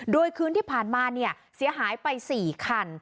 โดยคืนที่ผ่านมาเนี่ยเสียหายไปสี่คัน